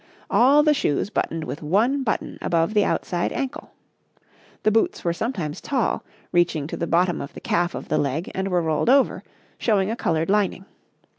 All the shoes buttoned with one button above the outside ankle. The boots were sometimes tall, reaching to the bottom of the calf of the leg, and were rolled over, showing a coloured lining.